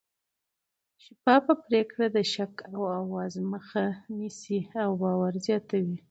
شفافه پرېکړې د شک او اوازو مخه نیسي او باور زیاتوي